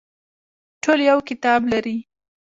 ټول یو کتاب لري